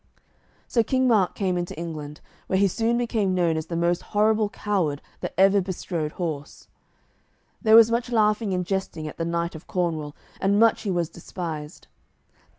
So King Mark came into England, where he soon became known as the most horrible coward that ever bestrode horse; and there was much laughing and jesting at the knight of Cornwall, and much he was despised.